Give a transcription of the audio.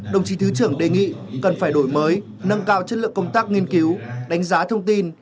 đồng chí thứ trưởng đề nghị cần phải đổi mới nâng cao chất lượng công tác nghiên cứu đánh giá thông tin